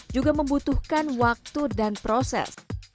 juga membutuhkan waktu dan proses